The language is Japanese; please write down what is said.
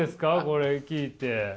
これ聞いて。